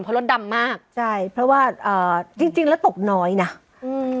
เพราะรถดำมากใช่เพราะว่าเอ่อจริงจริงแล้วตกน้อยน่ะอืม